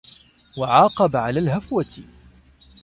وَعَاقَبَ عَلَى الْهَفْوَةِ